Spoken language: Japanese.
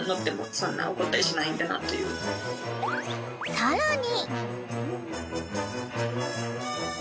［さらに］